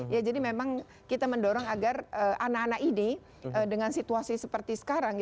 ya jadi memang kita mendorong agar anak anak ini dengan situasi seperti sekarang